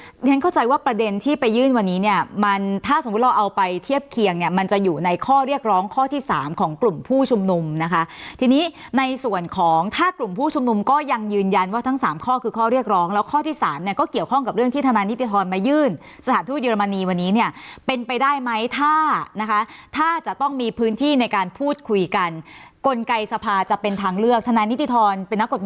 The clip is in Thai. เพราะฉะนั้นเข้าใจว่าประเด็นที่ไปยื่นวันนี้เนี่ยมันถ้าสมมุติเราเอาไปเทียบเคียงเนี่ยมันจะอยู่ในข้อเรียกร้องข้อที่๓ของกลุ่มผู้ชุมนมนะคะทีนี้ในส่วนของถ้ากลุ่มผู้ชุมนมก็ยังยืนยันว่าทั้ง๓ข้อคือข้อเรียกร้องแล้วข้อที่๓เนี่ยก็เกี่ยวข้องกับเรื่องที่ทนายนิติธรณ์มายื่นสถานธุร